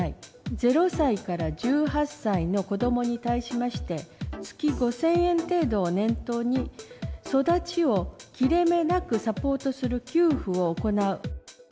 ０歳から１８歳の子どもに対しまして、月５０００円程度を念頭に、育ちを切れ目なくサポートする給付を行う。